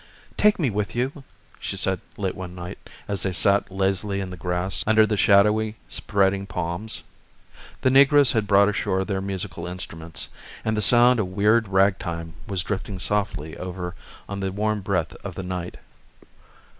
"Take me with you," she said late one night as they sat lazily in the grass under the shadowy spreading palms. The negroes had brought ashore their musical instruments, and the sound of weird ragtime was drifting softly over on the warm breath of the night.